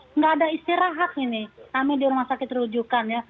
tidak ada istirahat ini kami di rumah sakit rujukan ya